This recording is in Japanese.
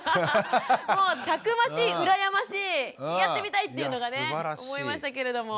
もうたくましい羨ましいやってみたいというのがね思いましたけれども。